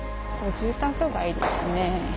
住宅街ですね。